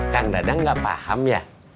kang dadang gak paham ya